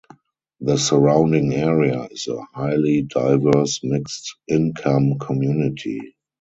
The surrounding area is a highly diverse, mixed-income community.